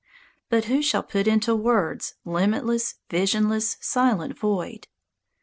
But who shall put into words limitless, visionless, silent void?